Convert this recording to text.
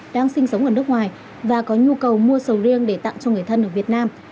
đang sinh sống ở nước ngoài và có nhu cầu mua sầu riêng để tặng cho người thân ở việt nam